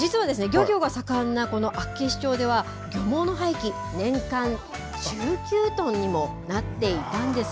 漁業が盛んなこの厚岸町では漁網の廃棄、年間１９トンにもなっていたんです。